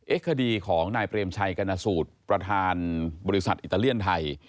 คดีของนายเปรมชัยกรณสูตรประธานบริษัทอิตาเลียนไทย